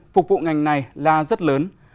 phục vụ ngành này là rất lớn